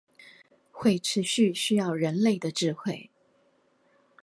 會持續需要人類的智慧